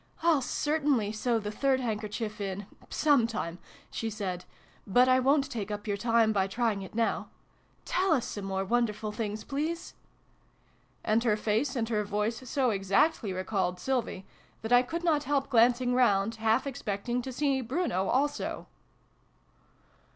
" I'll certainly sew the third hand kerchief in some time," she said: "but I wo'n't take up your time by trying it now. Tell us some more wonderful things, please !" And her face and her voice so exactly recalled vn] MEIN HERR. 105 Sylvie, that I could not help glancing round, half expecting to see Bruno also